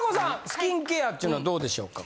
スキンケアっちゅうのはどうでしょうか？